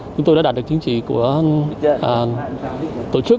chúng tôi đã đạt được chính trị của tổ chức